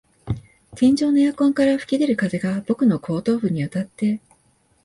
天井のエアコンから吹き出る風が僕の後頭部にあたって、